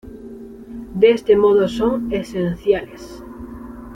De este modo son esenciales.